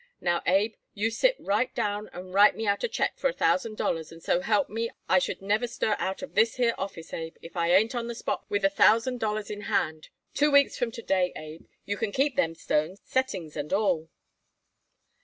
Now, Abe, you sit right down and write me out a check for a thousand dollars, and so help me I should never stir out of this here office, Abe, if I ain't on the spot with a thousand dollars in hand two weeks from to day, Abe, you can keep them stones, settings and all."